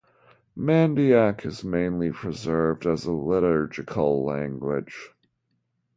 Mandaic is mainly preserved as a liturgical language.